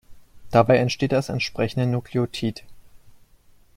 Dabei entsteht das entsprechende Nukleotid.